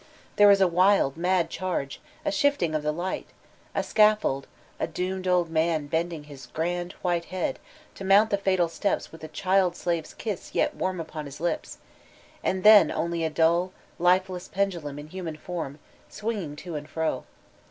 There is a wild, mad charge, a shifting of the light, a scaffold, a doomed old man bending his grand, white head, to mount the fatal steps with a child slave's Uss yet warm upon his lips, and then— only a dull, fife* I Thk Draha op the NxHimirrH Csntuky 395 less pendulum in human form, swinging to and fro.